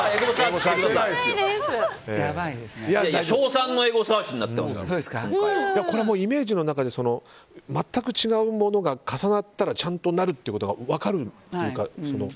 賞賛のエゴサーチにこれ、イメージの中で全く違うものが重なったらちゃんとなるということが分かるというか。